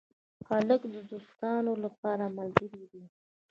هلک د دوستانو لپاره ملګری دی.